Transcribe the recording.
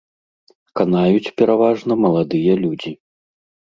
Канаюць пераважна маладыя людзі.